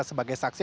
diksa sebagai saksi